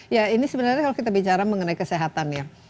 ya ini sebenarnya kalau kita bicara mengenai kesehatan ya